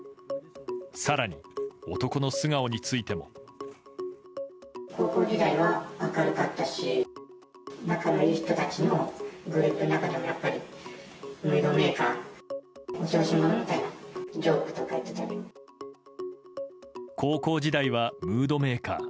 更に、男の素顔についても。高校時代はムードメーカー。